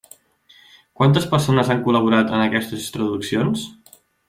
Quantes persones han col·laborat en aquestes traduccions?